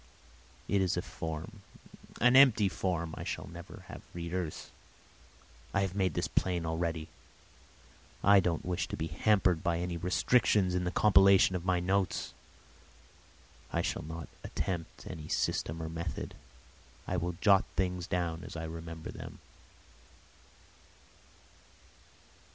It is a form, an empty form—I shall never have readers. I have made this plain already ... I don't wish to be hampered by any restrictions in the compilation of my notes. I shall not attempt any system or method. I will jot things down as I remember them.